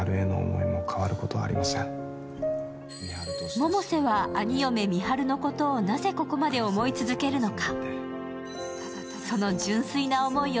百瀬は兄嫁・美晴のことを、なぜここまで思い続けるのか。